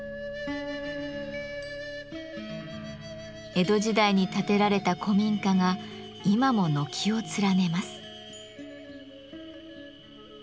江戸時代に建てられた古民家が今も軒を連ねます。